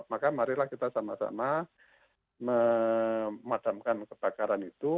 maka mari lah kita sama sama memadamkan kebakaran itu